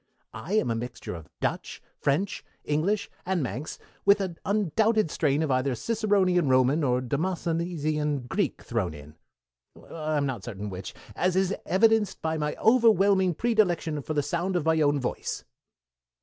I am a mixture of Dutch, French, English, and Manx, with an undoubted strain of either Ciceronian Roman or Demosthenesian Greek thrown in I'm not certain which as is evidenced by my overwhelming predilection for the sound of my own voice."